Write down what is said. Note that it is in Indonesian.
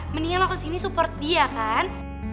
mendingan lo kesini support dia kan